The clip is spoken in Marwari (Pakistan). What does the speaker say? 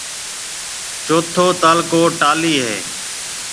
چوٿو تعلقو ٽالِي ھيََََ